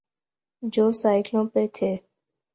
جو سائیکلوں پہ تھے۔